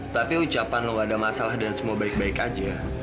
tapi ucapan lo gak ada masalah dan semua baik baik aja